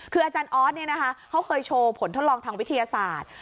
คืออาจารย์ออสเขาเคยโชว์ผลทดลองทางวิทยาศาสตร์